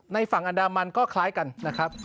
ฝั่งอันดามันก็คล้ายกันนะครับ